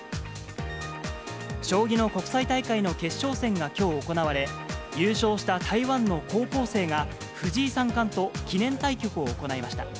将棋の国際大会の決勝戦がきょう行われ、優勝した台湾の高校生が、藤井三冠と記念対局を行いました。